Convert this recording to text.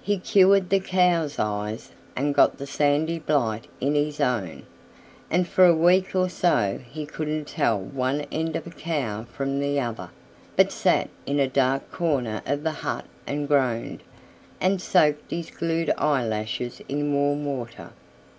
He cured the cows' eyes and got the sandy blight in his own, and for a week or so be couldn't tell one end of a cow from the other, but sat in a dark corner of the hut and groaned, and soaked his glued eyelashes in warm water.